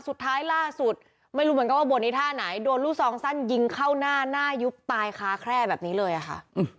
สุดท้ายล่าสุดไม่รู้เหมือนกันว่าบนไอ้ท่าไหนโดนลูกซองสั้นยิงเข้าหน้าหน้ายุบตายค้าแคร่แบบนี้เลยอะค่ะ